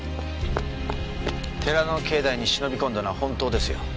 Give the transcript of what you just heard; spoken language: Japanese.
寺の境内に忍び込んだのは本当ですよ。